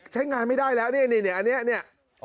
ใช้งานไม่ได้แล้วนี่อันนี้